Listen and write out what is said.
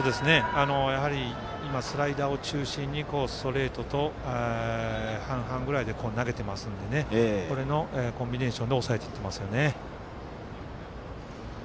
やはり、今スライダーを中心にストレートと半々ぐらいで投げてますのでこれのコンビネーションで抑えてきていますよね。